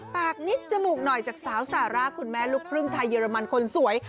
ปากนิดจมูกหน่อยจากสาวซาร่าคุณแม่ลูกครึ่งไทยเยอรมันคนสวย